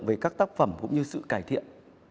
về các tác phẩm cũng như sự cải thiện